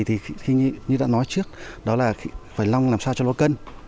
thì như đã nói trước đó là phải long làm sao cho nó cân